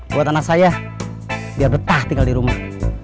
buat anak saya biar betah tinggal di rumah